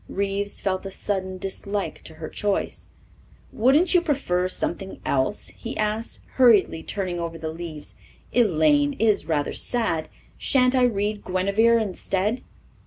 Reeves felt a sudden dislike to her choice. "Wouldn't you prefer something else?" he asked, hurriedly turning over the leaves. "'Elaine' is rather sad. Shan't I read 'Guinevere' instead?"